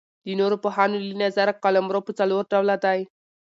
د نورو پوهانو له نظره قلمرو پر څلور ډوله دئ.